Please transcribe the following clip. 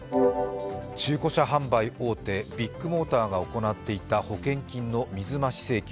中古車販売大手ビッグモーターが行っていた保険金の水増し請求。